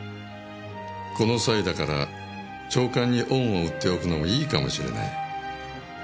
この際だから長官に恩を売っておくのもいいかもしれない。